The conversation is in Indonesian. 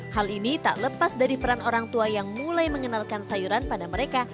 hal ini tak lepas dari peran orang tua yang mulai mengenalkan sayuran pada mereka